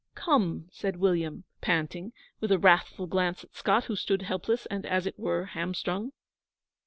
'Come!' said William, panting, with a wrathful glance at Scott, who stood helpless and, as it were, hamstrung.